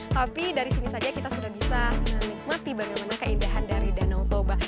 tapi dari sini saja kita sudah bisa menikmati bagaimana keindahan dari danau toba